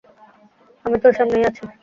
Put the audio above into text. আমি তোর সামনেই আছি!